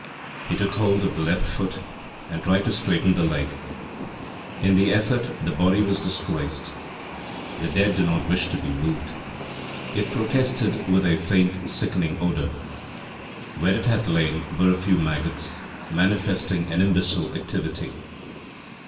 He took hold of the left foot and tried to straighten the leg. In the effort the body was displaced. The dead do not wish to be moved it protested with a faint, sickening odour. Where it had lain were a few maggots, manifesting an imbecile activity.